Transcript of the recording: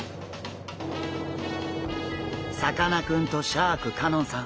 さかなクンとシャーク香音さん。